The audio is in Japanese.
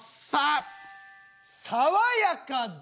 爽やかで。